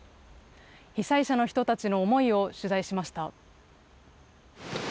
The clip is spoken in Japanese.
被災者の人たちの思いを取材しました。